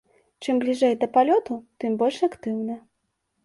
Чым бліжэй да палёту, тым больш актыўна.